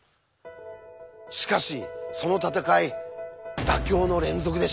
しかしその闘い妥協の連続でした。